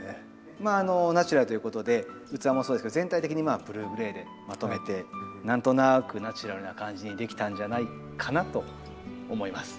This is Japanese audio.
まあナチュラルということで器もそうですけど全体的にブルーグレイでまとめて何となくナチュラルな感じにできたんじゃないかなと思います。